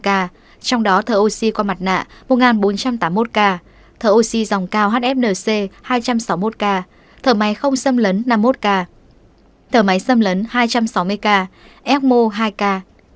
trong đó thở oxy qua mặt nạ một bốn trăm tám mươi một ca thợ oxy dòng cao hfnc hai trăm sáu mươi một ca thở máy không xâm lấn năm mươi một ca thở máy xâm lấn hai trăm sáu mươi ca emo hai k